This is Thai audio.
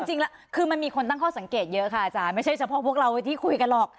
จริงแล้วคือมันมีคนตั้งข้อสังเกตเยอะค่ะอาจารย์ไม่ใช่เฉพาะพวกเราที่คุยกันหรอก